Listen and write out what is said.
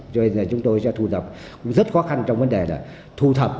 cho nên là chúng tôi sẽ thu thập cũng rất khó khăn trong vấn đề là thu thập